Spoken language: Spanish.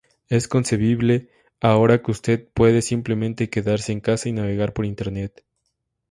Es concebible ahora que usted puede simplemente quedarse en casa y navegar por Internet.